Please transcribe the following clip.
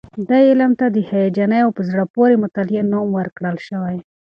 دې علم ته د هیجاني او په زړه پورې مطالعې نوم ورکړل شوی.